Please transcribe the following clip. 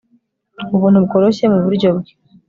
ubuntu bworoshye muburyo bwe